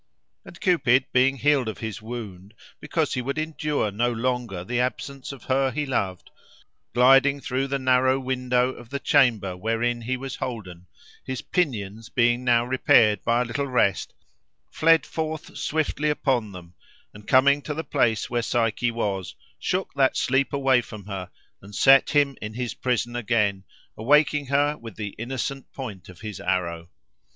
And Cupid being healed of his wound, because he would endure no longer the absence of her he loved, gliding through the narrow window of the chamber wherein he was holden, his pinions being now repaired by a little rest, fled forth swiftly upon them, and coming to the place where Psyche was, shook that sleep away from her, and set him in his prison again, awaking her with the innocent point of his arrow.